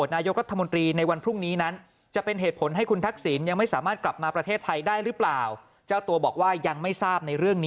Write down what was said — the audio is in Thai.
ได้เพราะทางสภาอุตสาหกรรมเอง